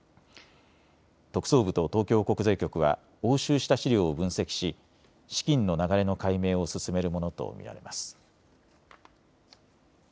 特捜部と東京国税局は押収した資料を分析し資金の流れの解明を進めるものと見られます。